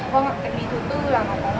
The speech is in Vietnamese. vâng ạ vì thứ tư là nó có mua nội tặng hóa đấy